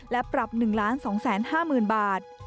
และปรับ๑ล้าน๒๕๐บาท